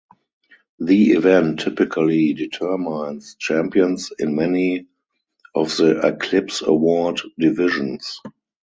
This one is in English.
The event typically determines champions in many of the Eclipse Award divisions.